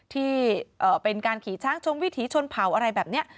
ที่เป็นการขี่ช้างชมวิถีชนเผาอะไรแบบนี้